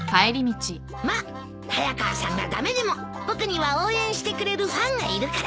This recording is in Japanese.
まあ早川さんが駄目でも僕には応援してくれるファンがいるからいいか。